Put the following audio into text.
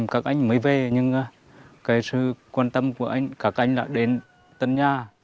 các anh mới về nhưng sự quan tâm của các anh là đến tân nhà